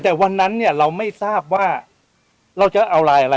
แต่วันนั้นเราไม่ทราบว่าเราจะเอาลายอะไร